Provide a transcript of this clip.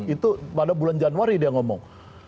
itu pada bulan januari dia ngomong